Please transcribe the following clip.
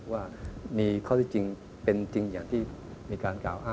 ว่ามีข้อรู้จริงเป็นจริงเหตุ